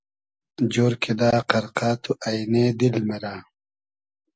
جۉر کیدہ قئرقۂ تو اݷنې دیل مئرۂ